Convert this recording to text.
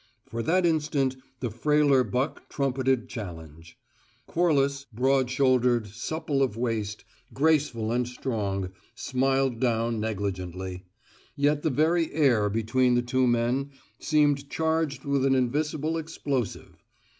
For that instant, the frailer buck trumpeted challenge. Corliss broad shouldered, supple of waist, graceful and strong smiled down negligently; yet the very air between the two men seemed charged with an invisible explosive.